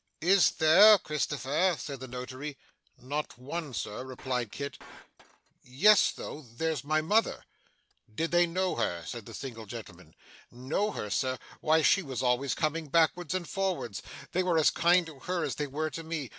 'IS there, Christopher?' said the Notary. 'Not one, Sir,' replied Kit. 'Yes, though there's my mother.' 'Did they know her?' said the single gentleman. 'Know her, Sir! why, she was always coming backwards and forwards. They were as kind to her as they were to me.